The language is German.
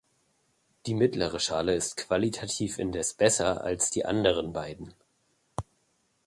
Die mittlere Schale ist qualitativ indes besser als die anderen beiden.